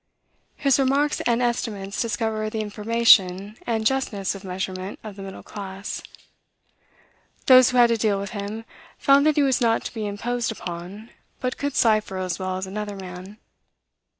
His remarks and estimates discover the information and justness of measurement of the middle class. Those who had to deal with him found that he was not to be imposed upon, but could cipher as well as another man.